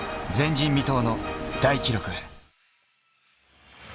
前人未到の大記録へ。